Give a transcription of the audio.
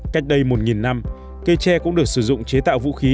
cách đây một năm cây tre cũng được sử dụng chế tạo vũ khí